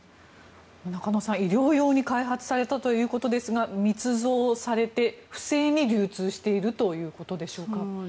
中野さん、医療用に開発されたということですが密造されて、不正に流通しているということでしょうか。